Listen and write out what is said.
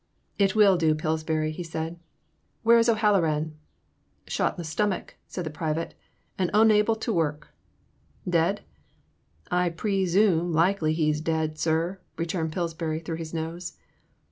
It will do, Pillsbury,*' he said, '* where is O'HaUoran ?''Shot in the stummick, '* said the private, '' and unable tew work." *'Dead?'* I pre sume likely he 's daid, sir," returned Pillsbury through his nose.